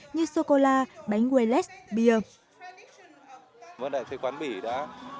như sô cô la bánh quay lét bia